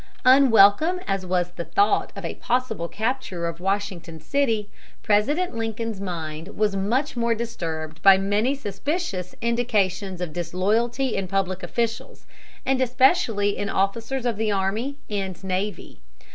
Unwelcome as was the thought of a possible capture of Washington city, President Lincoln's mind was much more disturbed by many suspicious indications of disloyalty in public officials, and especially in officers of the army and navy.